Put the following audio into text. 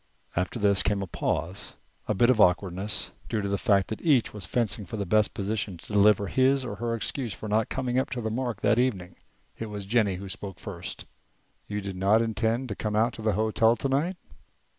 After this came a pause, a bit of awkwardness, due to the fact that each was fencing for the best position to deliver his or her excuse for not coming up to the mark that evening. It was Jennie who spoke first. "You did not intend to come out to the hotel tonight?"